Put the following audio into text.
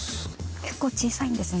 結構小さいんですね。